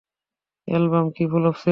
Album কী flop ছিল?